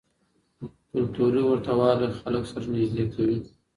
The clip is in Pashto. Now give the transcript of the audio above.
کلتوري ورته والی خلک سره نږدې کوي.